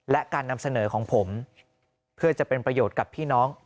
และการนำเสนอของผมเพื่อจะเป็นประโยชน์กับพี่น้อง